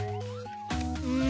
うん。